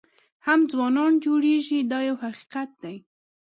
هم ځوانان جوړېږي دا یو حقیقت دی.